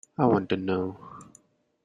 I want to know.